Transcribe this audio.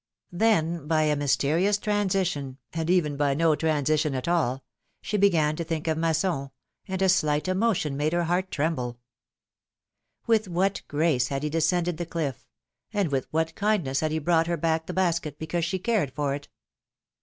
Then, by a mysterious transition — and even by no transition at all — she began thinking of Masson, and a slight emotion made her heart tremble. With what grace had he descended the cliff, and with what kindness had he brought her back the basket, because she cared for it